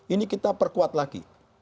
ini kita perkuat lagi